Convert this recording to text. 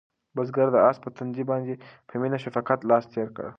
بزګر د آس په تندي باندې په مینه د شفقت لاس تېر کړ.